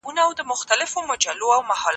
چمتوالی د بریالیتوب مخکښ دی.